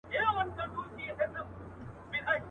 که دي دا هډوکی وکېښ زما له ستوني.